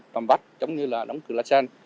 vòng vách chống như là đóng cửa lá xe